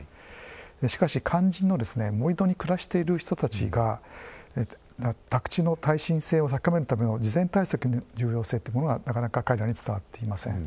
しかし、肝心の盛土に暮らしている人たちが宅地の耐震性を高めるための事前対策の重要性というものがなかなか彼らに伝わっていません。